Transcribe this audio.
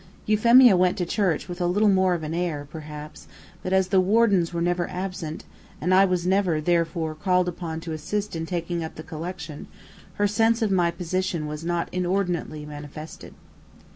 Euphemia went to church with a little more of an air, perhaps, but as the wardens were never absent, and I was never, therefore, called upon to assist in taking up the collection, her sense of my position was not inordinately manifested.